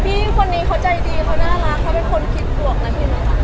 พี่คนนี้เขาใจดีเขาน่ารักเขาเป็นคนคิดบวกนะพี่ไหมคะ